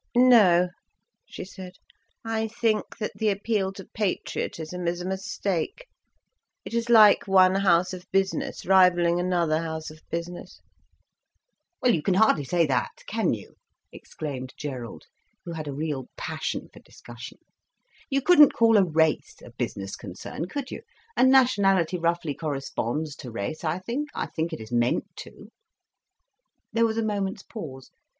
"No," she said, "I think that the appeal to patriotism is a mistake. It is like one house of business rivalling another house of business." "Well you can hardly say that, can you?" exclaimed Gerald, who had a real passion for discussion. "You couldn't call a race a business concern, could you?—and nationality roughly corresponds to race, I think. I think it is meant to." There was a moment's pause.